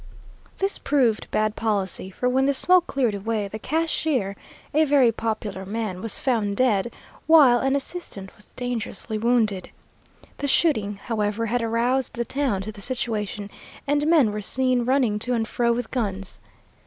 "This proved bad policy, for when the smoke cleared away the cashier, a very popular man, was found dead, while an assistant was dangerously wounded. The shooting, however, had aroused the town to the situation, and men were seen running to and fro with guns.